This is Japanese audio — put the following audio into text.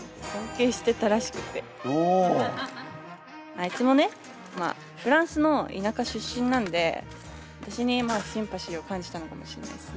あいつもねまあフランスの田舎出身なんで私にシンパシーを感じたのかもしんないっすね。